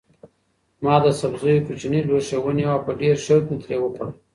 ما د سبزیو کوچنی لوښی ونیو او په ډېر شوق مې ترې وخوړل.